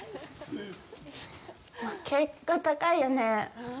結構高いよね。